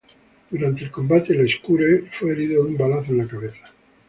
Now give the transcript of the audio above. Durante el combate, Lescure fue herido de un balazo en la cabeza.